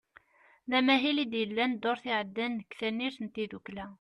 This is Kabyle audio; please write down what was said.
D amahil i d-yellan ddurt iɛeddan deg tnarit n tiddukla.